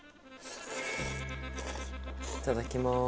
いただきます。